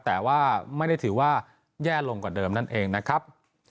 แต่ว่าไม่ได้ถือว่าแย่ลงกว่าเดิมนั่นเองนะครับ